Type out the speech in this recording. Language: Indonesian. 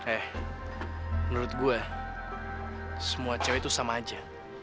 eh menurut gue semua cewek itu sama aja